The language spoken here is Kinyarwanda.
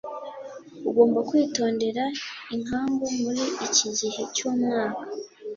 ugomba kwitondera inkangu muri iki gihe cyumwaka